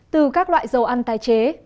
từ các loại dầu ăn tái chế